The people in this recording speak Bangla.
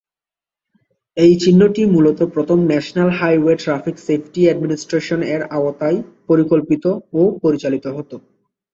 এই চিহ্নটি মূলত প্রথম ন্যাশনাল হাইওয়ে ট্রাফিক সেফটি অ্যাডমিনিস্ট্রেশন-এর আওতায় পরিকল্পিত ও পরিচালিত হত।